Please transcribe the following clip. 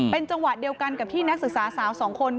เป็นจังหวะเดียวกันกับที่นักศึกษาสาวสองคน